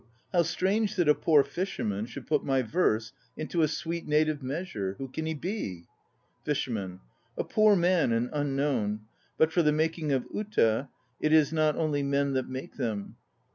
How strange that a poor fisherman should put my verse into a sweet native measure! Who can he be? FISHERMAN. A poor man and unknown. But as for the making of "uta," it is not only men that make them.